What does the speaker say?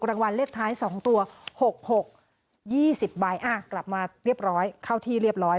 รางวัลเลขท้าย๒ตัว๖๖๒๐ใบกลับมาเรียบร้อยเข้าที่เรียบร้อย